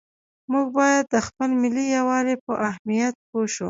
موږ باید د خپل ملي یووالي په اهمیت پوه شو.